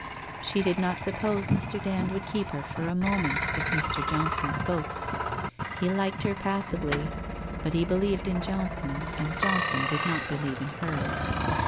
She did not suppose Mr. Dand would keep her for a moment, if Mr. Johnson spoke. He liked her passably, but he believed in Johnson, and Johnson did not believe in her.